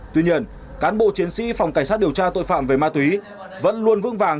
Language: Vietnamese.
tuy nhiên cán bộ chiến sĩ phòng cảnh sát điều tra tội phạm về ma túy vẫn luôn vững vàng